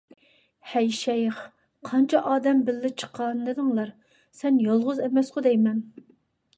ھەي شەيخ، قانچە ئادەم بىللە چىققانىدىڭلار؟ سەن يالغۇز ئەمەسقۇ دەيمەن!